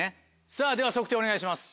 さぁでは測定お願いします。